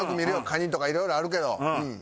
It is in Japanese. カニとかいろいろあるけどうん。